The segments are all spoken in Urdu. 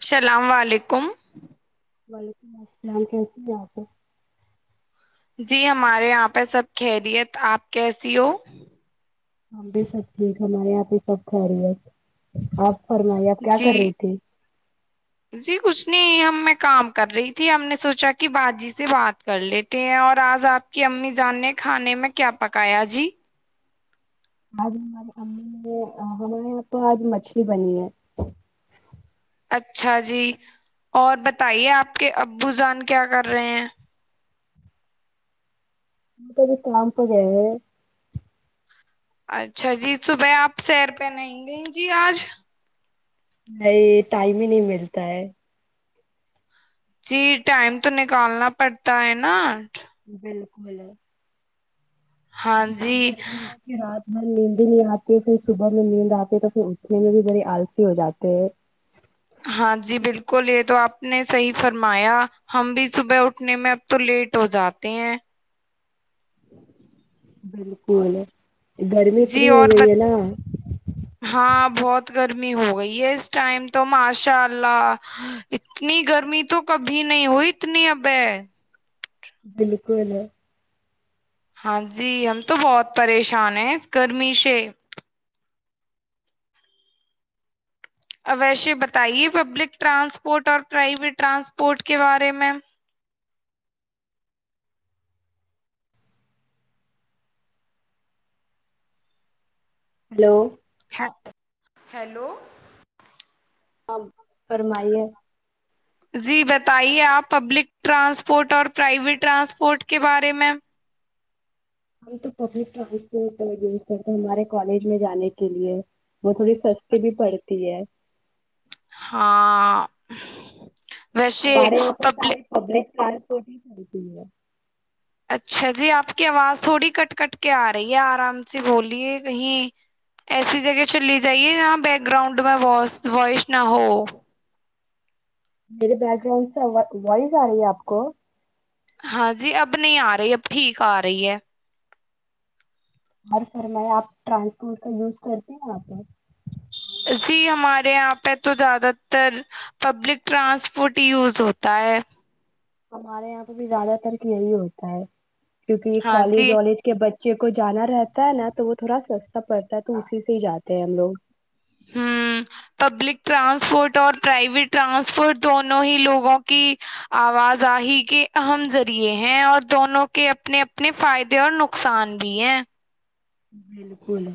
السلام علیکم وعلیکم السلام کیسی ہیں آپ جی ہمارے یہاں پہ سب خریت آپ کیسی ہو ہم بھی سب ٹھیک ہمارے یہاں پ سب خیریت آپ فرم آپ کیا جی کر رہی تھی جی کچھ نہیں ہم میں کام کر رہی تھی ہم نے سوچا کہ باجی سے بات کر لیتے ہیں اور آج آپ کی امی جان نے کھانے میں کیا پکایا جی آج ہماری امی نے ہمارے یہاں آج مچھلی بنی ہے اچھا جی اور بتائیے آپ کے ابو جان کیا کر رہے ہیں مت بھی کامپ گ ہے اچھا جی صبح آپ سیر پہ نہیںیں گئی جی آج نہیں ٹائم ہی نہیں ملتا ہے جی ٹائم تو نکالنا پڑتا ہے نا بالکل ہاں جتنی جی گرمی ہے کہ رات ب نیندی نہیں آتی ہے پھر صبح میں نیند آتی ہے تو پھر اٹھنے میں بھی بڑی آلسی ہو جاتے ہے ہاں جی بالکل یہ تو آپ نے صحیح فرمایا ہم بھی صبح اٹھنے میں اب تو لیٹ ہو جاتے ہیں بالکل گرمی جی اتنی ہو اور ب گئی ہے نا ہاں بہت گرمی ہو گئی ہے اس ٹائم تو ماشاء اللہ اتنی گرمی تو کبھی نہیں ہوئی اتنی اب ہے بالکل ہاں جی ہم تو بہت پریشان ہیں گرمی سے اوش بتائیے پبلک ٹرانسپورٹ اور پرائیویٹ ٹرانسپورٹ کے بارے میں ہلو ہیلو فرمائیے جی بتائیے آپ پبلک ٹرانسپورٹ اور پرائیویٹ ٹرانسپورٹ کے بارے میں ہم تو پبلک ٹرانسپورٹ یوز کرتے ہمارے کالج میں جانے کے لیے وہ تھوڑی سسی بھی پڑتی ہے ہاں ویسے ہمارے یہاں پر پبل ساری خبریں رانسپورٹ ہی س ہے [unintelligible] اچھا جی آپ کی آواز تھوڑی کٹ کٹ کے آ رہی ہے آرام سے بولیے کہیں ایسی جگہ چللی جائیے جہاں بیک گراؤنڈ میں وائس نہ ہو میرے بیک گراؤنڈ سے وائز آ رہی ہے آپ کو ہاں جی اب نہیں آ رہی اب ٹھیک آ رہی ہے ہر فرما آپ ٹرانسپورٹ کا یوز کرتے ہیں وہ پ جی ہمارے یہاں پہ تو زیادہ تر پبلک ٹرانسپورٹ ہی یوز ہوتا ہے ہمارے یہاں پہ بھی زیادہ تر کہ یہی ہوتا ہے کیونکہ یہ ہاں کالج جی والالج کے بچے ج کو جانا رہتا ہے نا تو وہ تھوڑا سستا پڑتا ہے تو اسی سے ہی جاتے ہیں ہم لوگ ہ پبلک ٹرانسپورٹ اور پرائیویٹ ٹرانسپورٹ دونوں ہی لوگوں کی آوازاہی کے اہم ذریعے ہیں اور دونوں کے اپنے اپنے فائدے اور نقصان بھی ہیں بالکل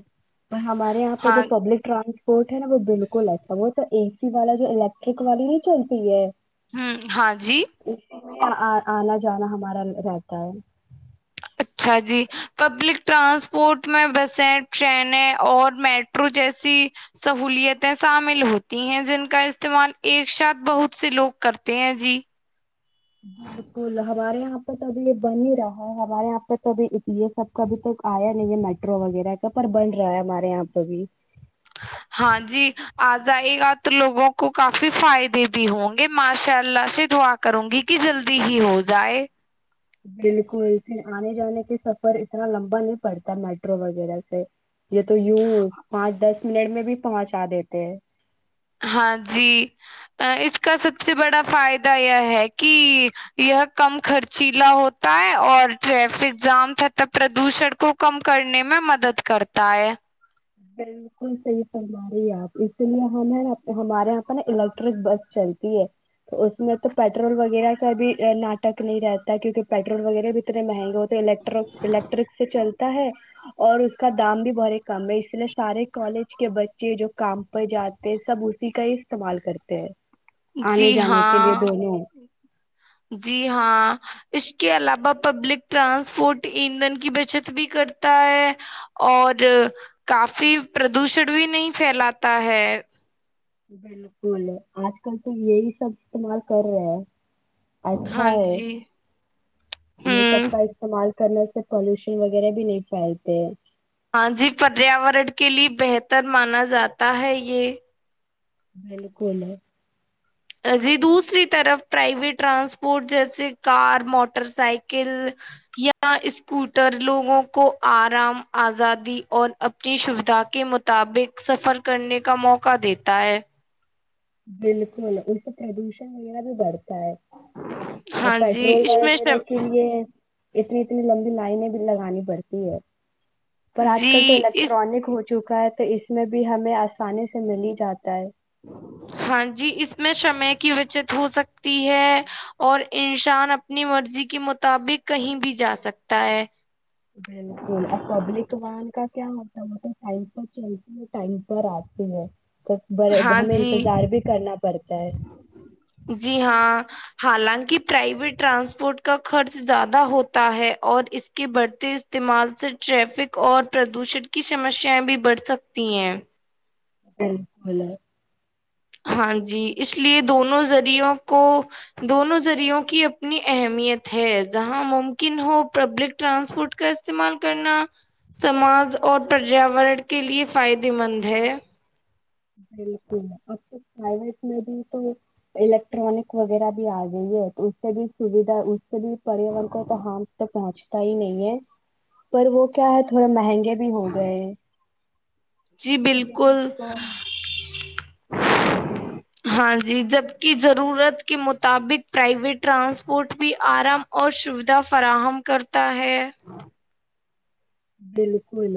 ہمارے یہاں پہ جو ہاں پبلک ٹرانس ورٹ ہے نا وہ بالکل اچھا وہ تو اے سی والا جو الیکٹرک والی نہیں چلتی ہے ہ ہاں جی ہاں آنا جانا ہمارا رہتا ہے اچھا جی پبلک ٹرانسپورٹ میں بسیں ٹرینیں اور میٹرو جیسی سہولتیں شامل ہوتی ہیں جن کا استعمال ایک ساتھ بہت سے لوگ کرتے ہیں جی بالکل ہمارے یہاں پہ تو ابھی یہ بن ہی رہا ہے ہمارے یہاں پہ تو یہ سب کابھی تو آیا نہیں ہے میٹرو وغیرہ کا پر بن رہا ہے ہمارے یہاں پہ بھی ہاں جی آ جائی گا تو لوگوں کو کافی فائدے بھی ہوں گے ماشاء اللہ سے دعا کروں گی کہ جلدی ہی ہو جائے بالکل اسن آنے جانے کے سفر اتنا لمبا نہیں پڑتا میٹرو وغیرہ سے یہ تو یوں پانچ دس منٹ میں بھی پہنچا دیتے ہیں ہاں جی اس کا سب سے بڑا فائدہ یہ ہے کہ یہ کم خرچیلا ہوتا ہے اور ٹریفک جام تھا تب پردوشن کو کم کرنے میں مدد کرتا ہے بالکل صحی فرما رہی آپ اسی لیے ہمیں ہمارے یہاں پہ نا الیکٹرک بس چلتی ہے تو اس میں تو پیٹرول وغیرہ کا بھی ناٹک نہیں رہتا ہے کیوں کہ پیٹرول وغیرہ بھی اتنے مہنگے ہو الیکٹر الیکٹرک سے چلتے ہے اور اس کا دام بھی بڑے کم ہے اس لیے سارے کالج کے بچے جو کام پر جاتے ہیں سب اسی کا ہی استعمال کرتے ہیں جی آنے جانے کے ہاں لیے دونوں جی ہاں اس کے علاوہ پبلک ٹرانسپورٹ ایندھن کی بچت بھی کرتا ہے اور کافی پردوشن بھی نہیں پھیلاتا ہے بالکل آج کل تو یہی سب استعمال کر رہے ہیں اچھا ہاں ہے جی یہ سب ہوں کا استعمال کرنے سے پالوشن وغیرہ بھی نہیں پھیلتے ہاں جی پریاورن کے لیے بہتر مانا جاتا ہے یہ بالکل ی دوسری طرف پرائیویٹ ٹرانسپورٹ جیسے کار موٹر سائیکل یا اسکوٹر لوگوں کو آرام آزادی اور اپنی سویدھا کے مطابق سفر کرنے کا موقع دیتا ہے بالکل اس سے پردوشن وغیرہ بھی بڑھتا ہے اور ہاں جی پیٹرول اس میں وغیرہ شم- کے لیے اتنی اتنی لمبی لائن بھی لگانی پڑتی ہے پر آج کل تو جی اس الیکٹرانک ہو چکا ہے تو اس میں بھی ہمیں آسانی سے مل ہی جاتا ہے ہاں جی اس میں سمے کی بچت ہو سکتی ہے اور انسان اپنی مرضی کے مطابق کہیں بھی جا سکتا ہے بالکل ا پبلک وان کا کیا ہوتا ہے مطلب ٹائم پر چلتے ہیں ٹائم پر آتے ہیں تو بڑے ہاں ہمیں جی انتظار بھی کرنا پڑتا ہے جی ہاں حالانکہ پرائویٹ ٹرانسپورٹ کا خرچ زیادہ ہوتا ہے اور اس کے بڑھتے استعمال سے ٹریفک اور پردوشن کی سمسیا بھی بڑھ سکتی ہیں ا کو ل ہاں جی اس لیے دونوں ذریعوں کو دونوں ذریعوں کی اپنی اہمیت ہے جہاں ممکن ہو پبلک ٹرانسپورٹ کا استعمال کرنا سماج اور پریاورن کے لیے فائدے مند ہے بالکل اب تو پرائیویٹ میں بھی تو الیکٹرانک وغیرہ بھی آ گئی ہے تو اس سے بھی سھا اس سے بھی پریان کو تو ہار توک پہنچتا ہی نہیں ہے پر وہ کیا ہے تھوڑا مہنگے بھی ہو گئے جی کسی بالکل کسی کو ہاں جی جبکہ ضرورت کے مطابق پرائیویٹ ٹرانسپورٹ بھی آرام اور سویدھا فراہم کرتا ہے بالکل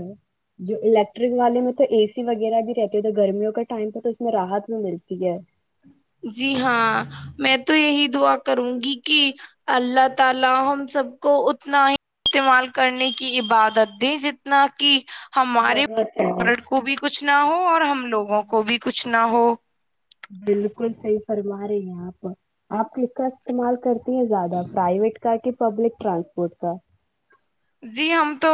جو الیکٹرک والے میں تو اے سی وغیرہ بھی رہتی تو گرمیوں کا ٹائم پہ تو اس میں راحت بھی ملتی ہے جی ہاں میں تو یہی دعا کروں گی کہ اللہ تعالی ہم سب کو اتنا ہی استعمال کرنے کی عبادت دیں جتنا کہ ہمارے ضرورت ہے کو بھی کچھ نہ ہو اور ہم لوگ گ کو بھی کچھ نہ ہو بالکل صحیح فرما رہی ہیں آپ آپ کس کا استعمال کرتے زیادہ پرائیویٹ کر کے پبلک ٹرانسپورٹ کا جی ہم تو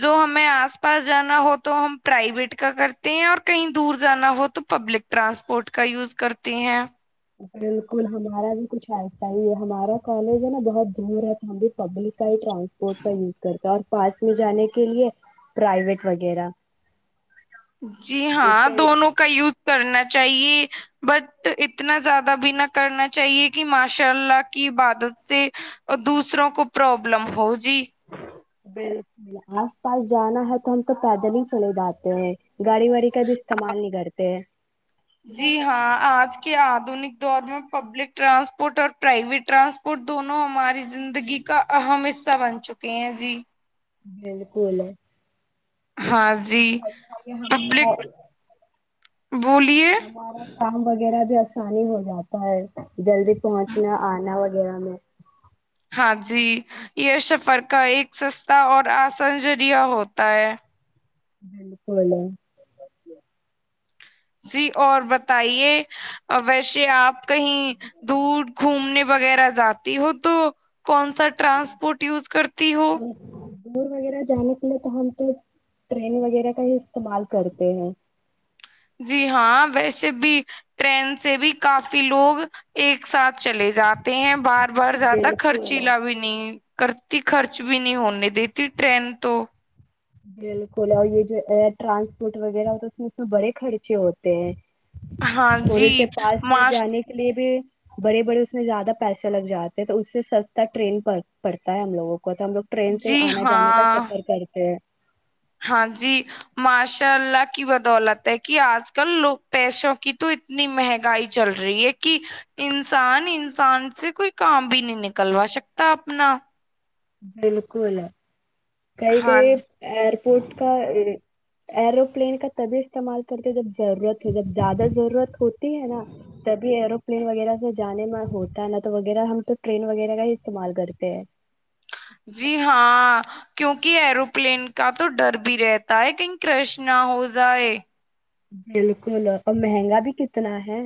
جو ہمیں آس پاس جانا ہو تو ہم پرائیویٹ کا کرتے ہیں اور کہیں دور جانا ہو تو پبلک ٹرانسپورٹ کا یوز کرتے ہیں بالکل ہمارا بھی کچھ ایسا ہی ہے ہمارا کالج ہے نا بہت دور ہے تو ہم بھی پبلک کا ہی ٹرانسپورٹ کا یوز کرتے اور پاس میں جانے کے لیے پرائیویٹ وغیرہ جی ہاں جیسے دونوں کا یوز کرنا چاہیے بٹ اتنا زیادہ بنا کرنا چاہیے کہ ماشاء اللہ کی عبادت سے دوسروں کو پرابلم ہو جی بالکل آس پاس جانا ہے تو ہم تو پیدل ہی چلے جاتے ہیں گاڑی واڑی کا بھی استعمال نہیں کرتے جی ہاں آج کے آدونک دور میں پبلک ٹرانسپورٹ اور پرائیویٹ ٹرانسپورٹ دونوں ہماری زندگی کا اہم حصہ بن چکے ہیں جی بالکل ہاں جی اچھا یہ پبلک ہمارا بولیے ہمارا کام وغیرہ جو آسانی ہو جاتا ہے جلدی پہنچنا آنا وغیرہ میں جی یہ سفر کا ایک سستا اور آسنجریہ ہوتا ہے بالکل جی اور بتے ویسے آپ کہیں دور گھومنے وغیرہ جاتی ہو تو کون سا ٹرانسپورٹ یوز کرتی ہو اور دور وغیرہ جانے کے لیے تو ہم تو ٹرین وغیرہ کا ہی استعمال کرتے ہیں جی ہاں ویسے بھی ٹرین سے بھی کافی لوگ ایک ایک ساتھ چلے جاتے ہیں بار بار زیادہ خرچیلا بھی نہیں کرتی خرچ بھی نہیں ہونے دیتی ٹرین تو بالکل اور یہ جو ٹرانسپورٹ وغیرہ ہو تو اس میں اس میں بڑے خرچے ہوتے ہیں ہاں تھوڑے جی سے پاس میں ماس جانے کے لیے بھی بڑے بڑے اس میں زیادہ پیسے لگ جاتے ہیں تو اس سے سستا ٹرین پڑتا ہے ہم لوگوں کو تو ہم لوگ ٹرین سے ہی جی آنا جانے کا ہاں سفر کرتے ہیں ہاں جی ماشاء اللہ کی بدولت ہے کہ آج کلوگ پیسوں کی تو اتنی مہنگائی چل رہی ہے کہ انسان انسان سے کوئی کام بھی نہیں نکلوا سکتا اپنا جلکوول کہئی ہاں کہئی جی ایئرپورٹ کا ایروپلین کا تبھی استعمال کرتے جب ضرورت ہے جب زیادہ ضرورت ہوتی تی ہے نا تبھی ہے ر پلین وغیرہ سے جانے میں ہوتا ہے نا تو وغیرہ ہم تو ٹرین وغیرہ کا ہی استعمال کرتے ہیں جی ہاں کیونکہ ایروپلین کا تو ڈر بھی رہتا ہے کہیں کرش نہ ہو جائے بالکل اور مہنگا بھی کتنا ہے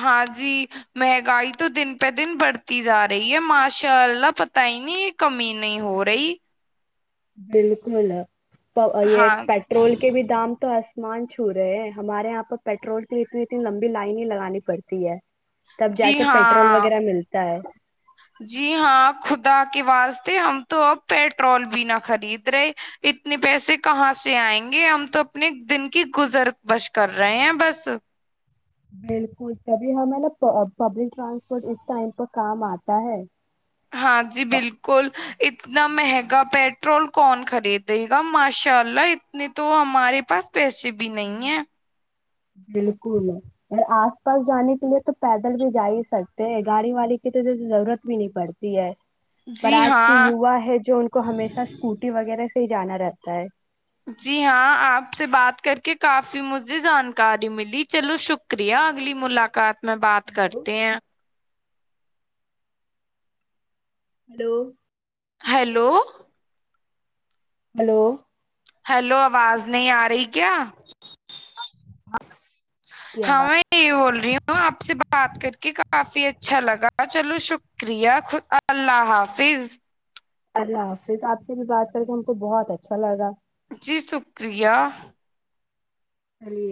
ہاں جی مہنگائی تو دن پہ دن بڑھتی جا رہی ہے ماشاء اللہ پت ہی نہیں یہ کمی نہیں ہو رہی بالکل یہ ہاں پیٹرول کے بھی دام تو سامان چھو رہے ہیں ہمارے یہاں پر پیٹرول کی اتنی اتنی لمبی لائن ہی لگانی پڑتی ہے تب جا جی کے پیٹرول ہاں وغیرہ ملتا ہے جی ہاں خدا کے واسطے ہم تو اب پیٹرول بھی نہ خرید رہے اتنے پیسے کہاں سے آئیں گے ہم تو اپنے دن کی گزر بش کر رہے ہیں بس بالکل تبھی ہمیں نا پبلک ٹرانسپورٹ اس ٹائم پر کام آتا ہے ہاں جی پ- بالکل اتنا مہنگا پیٹرول کون خریدے گا ماشاء اللہ اتنے تو ہمارے پاس پیسے بھی نہیں ہیں بالکل اور آس پاس جانے کے لیے تو پیدل بھی جا ہی سکتے ہیں گاڑی واڑی کی تو ضرورت بھی نہیں پڑتی ہے پر جی آج کے ہاں یوا ہے جو ان کو ہمیشہ اسکوٹی وغیرہ جانا رہتا ہے [unintelligible] جی ہاں آپ سے بات کر کے کافی مجھے جانکاری ملی چلو شکریہ اگلی ملاقات میں بات ہلو کرتے ہیں ہلو ہیلو ہلو ہیلو آواز نہیں آ رہی کیا آپ کی ہاں آواز میں یہ بول رہی ہوں آپ سے بات بات کر کے کافی اچھا لگا چلو شکریہ خ اللہ حافظ لہ آ آپ سے بھی بات کر کے ہم کو بہت اچھا لگا جی شکریہ چلیے